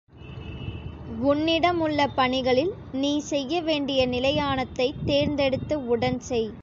உன்னிடமுள்ள பணிகளில் நீ செய்ய வேண்டிய நிலையானதைத் தேர்ந்தெடுத்து உடன் செய்.